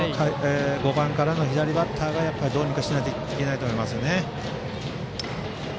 ５番からの左バッターをどうにかしないといけないと思いますね。